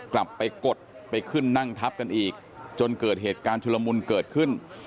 กลับไปกดไปขึ้นนั่งทับกันอีกจนเกิดเหตุการณ์ชุลมุนเกิดขึ้น